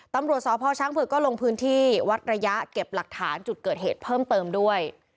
ตำรวจสพช้างเผือกก็ลงพื้นที่วัดระยะเก็บหลักฐานจุดเกิดเหตุเพิ่มเติมด้วย